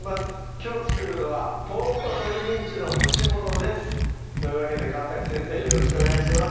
きょう作るのは「豆腐と鶏ミンチの蒸しもの」ですというわけで川先生よろしくお願いします